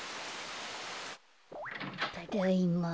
ただいま。